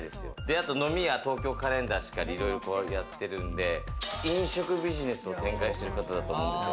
あと飲み屋、『東京カレンダー』とかやってるんで、飲食ビジネスを展開してる方だと思うんですよ。